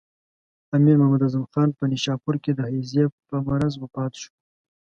امیر محمد اعظم خان په نیشاپور کې د هیضې په مرض وفات شو.